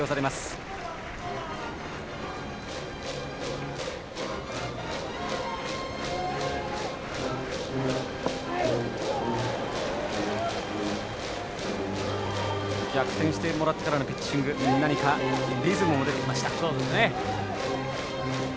松藤、逆転してもらってからのピッチングに何かリズムも出てきました。